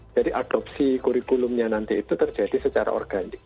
jadi adopsi kurikulumnya nanti itu terjadi secara organik